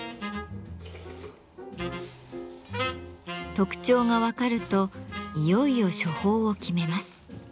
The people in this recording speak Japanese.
特徴が分かるといよいよ処方を決めます。